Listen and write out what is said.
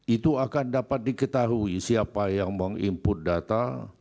itu akan dapat diketahui siapa yang meng input data